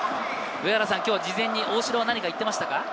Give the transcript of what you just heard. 今日、事前に大城は何か言っていましたか？